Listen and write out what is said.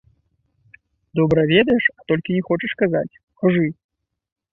Добра ведаеш, а толькі не хочаш казаць, кажы!